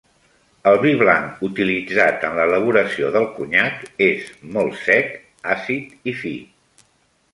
El vi blanc utilitzat en l'elaboració del conyac és molt sec, àcid i fi.